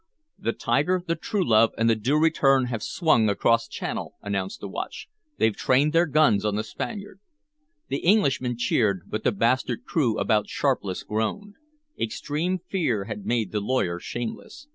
"The Tiger, the Truelove, and the Due Return have swung across channel!" announced the watch. "They 've trained their guns on the Spaniard!" The Englishmen cheered, but the bastard crew about Sharpless groaned. Extreme fear had made the lawyer shameless.